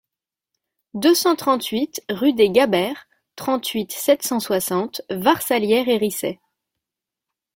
deux cent trente-huit rue des Gaberts, trente-huit, sept cent soixante, Varces-Allières-et-Risset